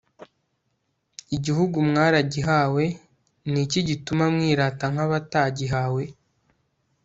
igihugu mwaragihawe ni iki gituma mwirata nk' abatagihawe